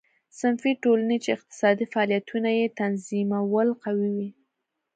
صنفي ټولنې چې اقتصادي فعالیتونه یې تنظیمول قوي وې.